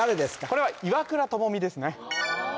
これは岩倉具視ですね